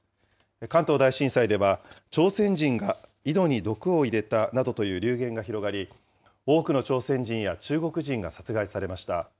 関東大震災では、朝鮮人が井戸に毒を入れたなどという流言が広がり、多くの朝鮮人や中国人が殺害されました。